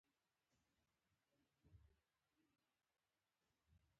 زړه د خوښۍ رڼا لري.